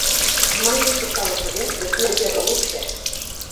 Mai no s'estava segur de qui havia rebut què